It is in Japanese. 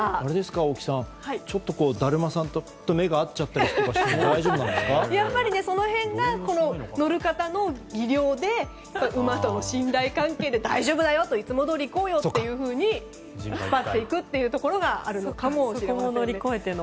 大木さん、ちょっとだるまさんと目が合っちゃったりしてもその辺が乗る方の技量で馬との信頼関係で大丈夫だよといつもどおり行こうよと引っ張っていくというところがあるかもしれません。